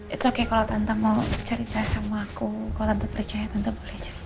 tidak apa kalau tante mau cerita sama aku kalau tante percaya tante boleh cerita